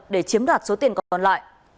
để chiếm đoạt số tiền còn lại